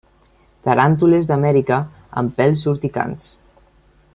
Taràntules d'Amèrica amb pèls urticants.